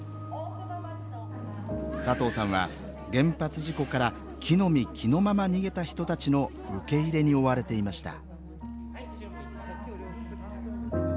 佐藤さんは原発事故から着のみ着のまま逃げた人たちの受け入れに追われていました